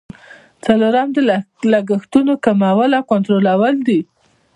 څلورم د لګښتونو کمول او کنټرولول دي.